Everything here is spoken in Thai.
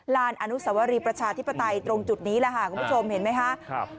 ลานอนุสวรีประชาธิปไตตรงจุดนี้แหล่ะฮะคุณผู้ชมเห็นไหมฮะครับ